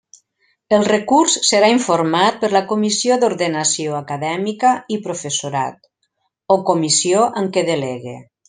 El recurs serà informat per la Comissió d'Ordenació Acadèmica i Professorat, o comissió en què delegue.